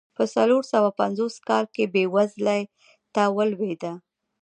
په څلور سوه پنځوس کال کې بېوزلۍ ته ولوېده.